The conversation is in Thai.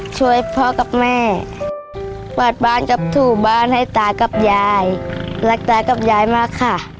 ช่วยพ่อกับแม่กวาดบ้านกับถูบ้านให้ตากับยายรักตากับยายมากค่ะ